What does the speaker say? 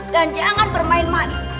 dan jangan bermain main